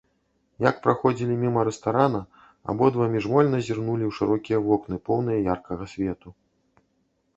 Як праходзілі міма рэстарана, абодва міжвольна зірнулі ў шырокія вокны, поўныя яркага свету.